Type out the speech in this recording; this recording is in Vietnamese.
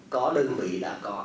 có đơn vị đã có